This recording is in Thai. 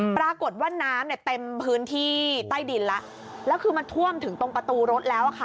ปรากฏว่าน้ำเนี่ยเต็มพื้นที่ใต้ดินแล้วแล้วคือมันท่วมถึงตรงประตูรถแล้วอ่ะค่ะ